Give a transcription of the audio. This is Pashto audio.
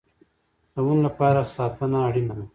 د ونو لپاره ساتنه اړین ده